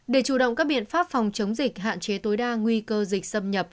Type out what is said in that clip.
để chủ động các biện pháp phòng chống dịch hạn chế tối đa nguy cơ dịch xâm nhập